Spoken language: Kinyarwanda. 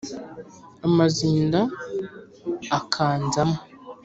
amazinda akanzamo